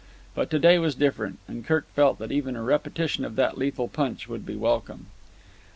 But to day was different; and Kirk felt that even a repetition of that lethal punch would be welcome.